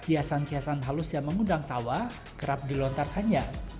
hiasan kiasan halus yang mengundang tawa kerap dilontarkannya